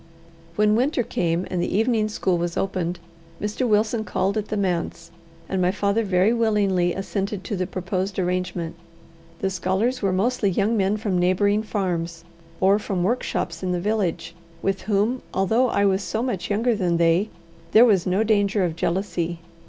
When winter came, and the evening school was opened, Mr. Wilson called at the manse, and my father very willingly assented to the proposed arrangement. The scholars were mostly young men from neighbouring farms, or from workshops in the village, with whom, although I was so much younger than they, there was no danger of jealousy.